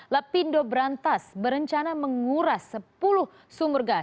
lapindo berantas berencana menguras sepuluh sumur gas